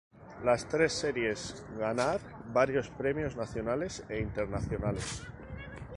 Las tres series ganar varios premios nacionales e internacionales.